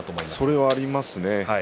それはありますね。